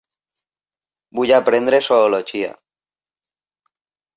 Vull aprendre Zoologia.